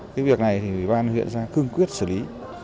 cái việc này thì bàn huyện ra cương quyết xử lý